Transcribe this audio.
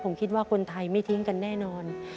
ผมคิดว่าคนไทยไม่ทิ้งกันแน่นอน